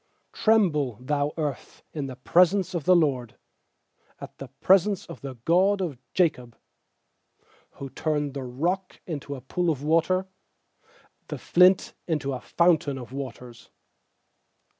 7Tremble, thou earth, at the pres ence of the Lord, At the presence of the God of Jacob ; 8Who turned the rock into a pool of water, The flint into a fountain of waters.